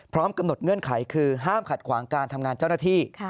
พร้อมกำหนดเงื่อนไขคือห้ามขัดขวางการทำงานเจ้าหน้าที่